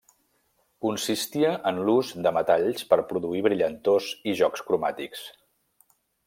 Consistia en l'ús de metalls per produir brillantors i jocs cromàtics.